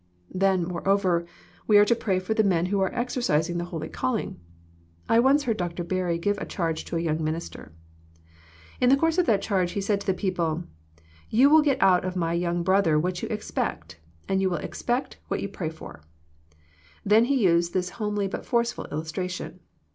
Then moreover, we are to pray for the men who are exercising the holy calling. I once heard Dr. Berry give a charge to a young minister. In the course of that charge he said to the people, " You will get out of my young brother what you expect, and you will expect what you pray for." Then he used this homely but forceful illustration.